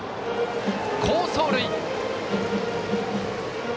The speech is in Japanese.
好走塁。